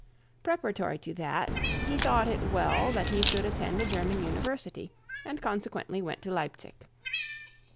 Preparatory to that, he thought it well that he should attend a German university, and consequently went to Leipzig.